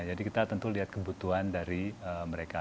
jadi kita tentu lihat kebutuhan dari mereka